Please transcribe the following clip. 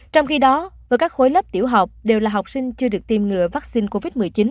trong khi đó với các khối lớp tiểu học đều là học sinh chưa được tiêm ngừa vaccine covid một mươi chín